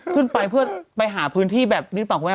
ขึ้นไปเพื่อไปหาพื้นที่แบบนี้หรือเปล่าคุณแม่